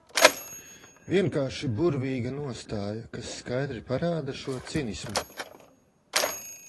Vienkārši burvīga nostāja, kas skaidri parāda šo cinismu.